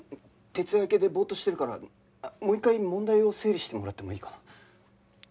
徹夜明けでボーッとしてるからもう一回問題を整理してもらってもいいかな？